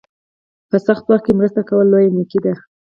په سخت وخت کې مرسته کول لویه نیکي ده.